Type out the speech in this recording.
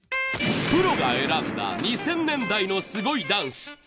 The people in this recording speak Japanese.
プロが選んだ２０００年代のすごいダンス。